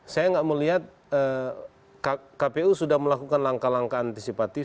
saya tidak melihat kpu sudah melakukan langkah langkah antisipatif